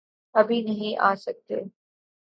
ابھی نہیں آسکتے۔۔۔